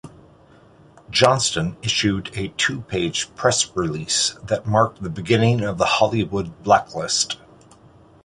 Johnston issued a two-page press release that marked the beginning of the Hollywood blacklist.